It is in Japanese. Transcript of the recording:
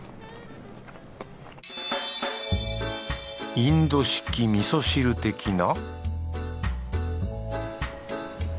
インド式みそ汁的な